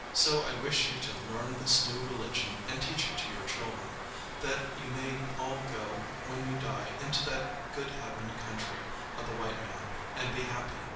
So I wish you to learn this new religion and teach it to your children, that you may all go when you die into that good heaven country of the white man and be happy.